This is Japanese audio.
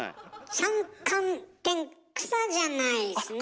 「山寒天」草じゃないですね。